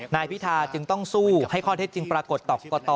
นายพิธาจึงต้องสู้ให้ข้อเท็จจริงปรากฏต่อกรกต